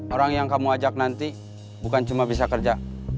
orang yang kamu ajak nanti bukan cuma bisa kerja